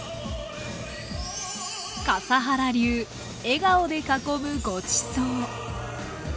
笠原流「笑顔で囲むごちそう」